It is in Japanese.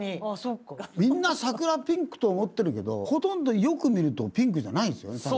みんな桜ピンクと思ってるけどほとんどよく見るとピンクじゃないですよね。